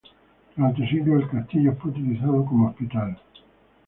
Durante siglos el castillo fue utilizado como hospital.